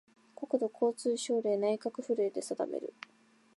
国土交通省令・内閣府令で定める